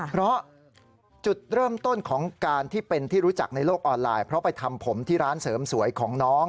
เพราะจุดเริ่มต้นของการที่เป็นที่รู้จักในโลกออนไลน์เพราะไปทำผมที่ร้านเสริมสวยของน้อง